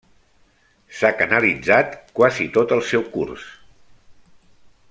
S'ha canalitzat quasi tot el seu curs.